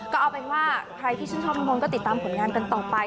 ก็เอาเป็นว่าใครที่ชื่นชอบน้ำมนต์ก็ติดตามผลงานกันต่อไป